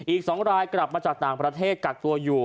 อีก๒รายกลับมาจากต่างประเทศกักตัวอยู่